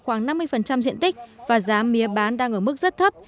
khoảng năm mươi diện tích và giá mía bán đang ở mức rất thấp